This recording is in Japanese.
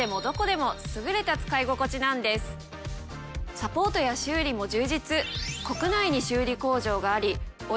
サポートや修理も充実。